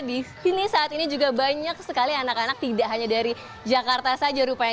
di sini saat ini juga banyak sekali anak anak tidak hanya dari jakarta saja rupanya